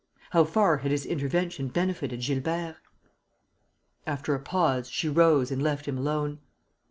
How far had his intervention benefited Gilbert? After a pause, she rose and left him alone.